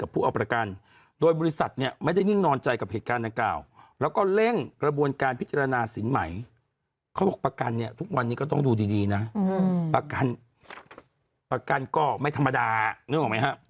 ประกันก็ไม่ธรรมดานึกออกไหมครับ